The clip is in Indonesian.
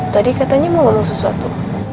tadi katanya mau ngeluh sesuatu